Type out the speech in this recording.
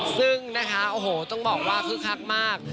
ซึ่งนะคะโอ้โหต้องบอกว่าคึกคักมาก